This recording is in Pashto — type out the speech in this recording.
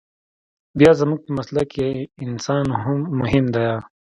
بيا زموږ په مسلک کښې انسان مهم ديه.